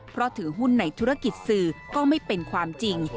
เพราะถือหุ้นในธุรกิจสื่อก็ไม่เป็นความจริง